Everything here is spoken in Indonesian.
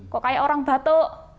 kok kayak orang batuk